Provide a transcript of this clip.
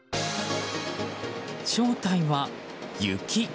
正体は雪。